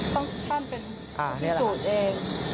ต้องกลั้นเป็นศูนย์เอง